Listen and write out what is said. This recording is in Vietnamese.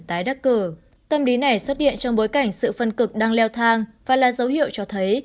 tái đắc cử tâm lý này xuất hiện trong bối cảnh sự phân cực đang leo thang và là dấu hiệu cho thấy